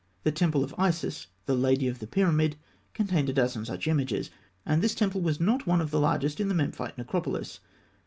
The temple of Isis, the "Lady of the Pyramid," contained a dozen such images; and this temple was not one of the largest in the Memphite necropolis.